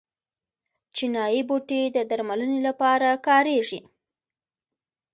چینايي بوټي د درملنې لپاره کاریږي.